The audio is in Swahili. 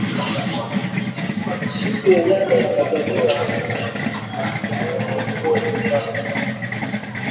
Siku ya dada ya kuzaliwa balimupa zawadi ya nguo ya bei sana